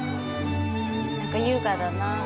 何か優雅だなあ。